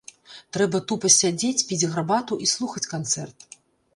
Трэба тупа сядзець, піць гарбату і слухаць канцэрт.